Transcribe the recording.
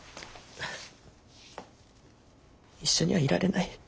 一緒にはいられない。